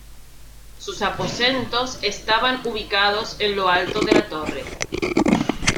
Sus aposentos estaban ubicados en lo alto de la Torre.